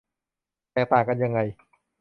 แตกต่างกันยังไง